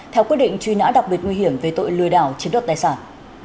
theo quyết định truy nã đặc biệt nguy hiểm về tội lừa đảo chiếm đoạt tài sản